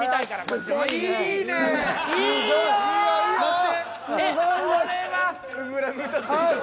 すごいよ。